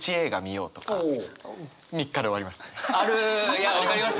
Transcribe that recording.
いや分かります